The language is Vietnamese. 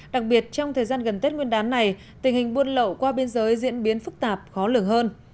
đặc biệt trong thời gian gần tết nguyên đán này tình hình buôn lậu qua biên giới diễn biến phức tạp khó lường hơn